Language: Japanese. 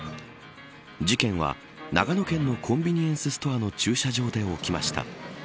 事件は長野県のコンビニエンスストアの駐車場で起きました。